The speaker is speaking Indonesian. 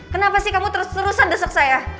kenapa sih kamu terus terusan desak saya